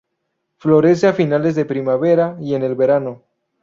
Florece a finales de primavera y en el verano.